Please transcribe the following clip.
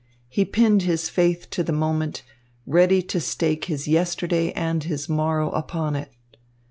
He pinned his faith to the moment, ready to stake his yesterday and his morrow upon it.